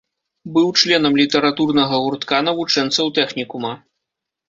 Быў членам літаратурнага гуртка навучэнцаў тэхнікума.